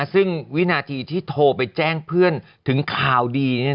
ซึ่งวินาทีที่โทรไปแจ้งเพื่อนถึงข่าวดี